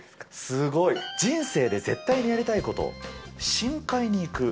すごい。人生で絶対にやりたいこと、深海に行く。